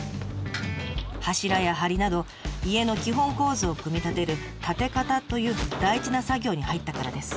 柱や梁など家の基本構造を組み立てる「建方」という大事な作業に入ったからです。